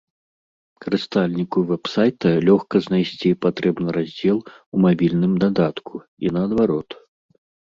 Карыстальніку вэб-сайта лёгка знайсці патрэбны раздзел у мабільным дадатку, і наадварот.